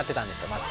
まず。